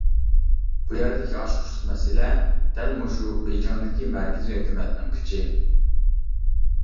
بۇ يەردىكى ئاچقۇچلۇق مەسىلە دەل مۇشۇ بېيجىڭدىكى مەركىزى ھۆكۈمەتنىڭ كۈچى.